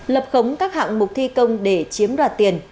lập khống các hạng mục thi công để chiếm đoạt tiền